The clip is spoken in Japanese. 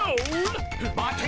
待て！